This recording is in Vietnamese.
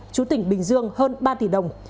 chú tỉnh bình dương hơn ba tỷ đồng